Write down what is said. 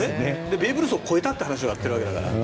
ベーブ・ルースを超えたという話をやっているわけだから。